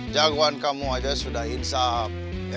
jagoan kamu aja sudah hinsap